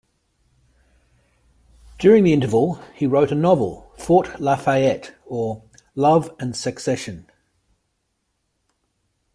During the interval, he wrote a novel: Fort Lafayette or, Love and Secession.